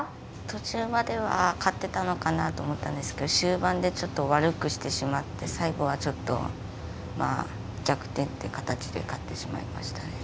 途中までは勝ってたのかなと思ったんですけど終盤でちょっと悪くしてしまって最後はちょっとまあ逆転って形で勝ってしまいましたね。